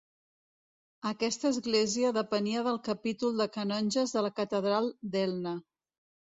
Aquesta església depenia del capítol de canonges de la catedral d'Elna.